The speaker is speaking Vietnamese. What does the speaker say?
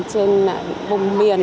trên vùng miền